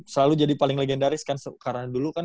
selalu jadi paling legendaris kan karena dulu kan